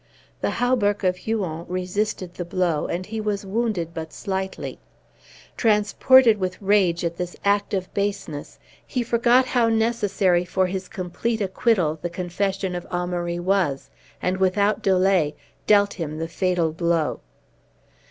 The hauberk of Huon resisted the blow, and he was wounded but slightly. Transported with rage at this act of baseness, he forgot how necessary for his complete acquittal the confession of Amaury was, and without delay dealt him the fatal blow.